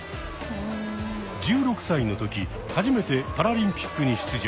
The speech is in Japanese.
１６歳の時初めてパラリンピックに出場。